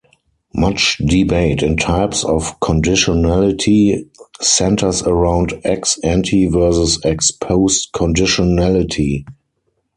Much debate in types of conditionality centers around ex-ante versus ex-post conditionality.